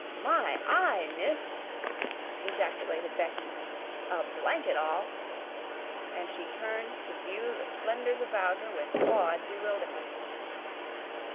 "My eye, miss!" ejaculated Becky. "A blanket 'all!" and she turned to view the splendors about her with awed bewilderment.